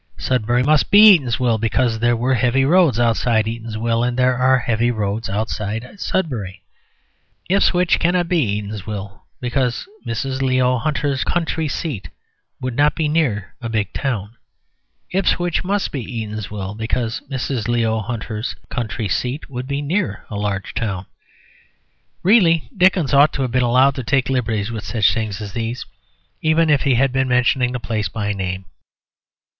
Sudbury must be Eatanswill because there were heavy roads outside Eatanswill, and there are heavy roads outside Sudbury. Ipswich cannot be Eatanswill, because Mrs. Leo Hunter's country seat would not be near a big town. Ipswich must be Eatanswill because Mrs. Leo Hunter's country seat would be near a large town. Really, Dickens might have been allowed to take liberties with such things as these, even if he had been mentioning the place by name.